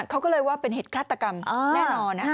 เขาก็เลยว่าเป็นเหตุฆาตกรรมแน่นอน